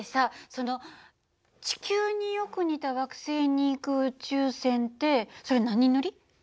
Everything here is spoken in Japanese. その地球によく似た惑星に行く宇宙船ってそれ何人乗り？